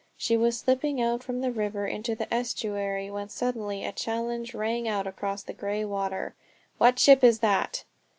She was slipping out from the river into the estuary when suddenly a challenge rang out across the grey water. "What ship is that?"